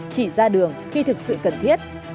chỉ ra đường khi thực sự cần thiết